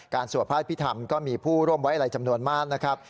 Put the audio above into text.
สวดพระอภิษฐรรมก็มีผู้ร่วมไว้อะไรจำนวนมากนะครับ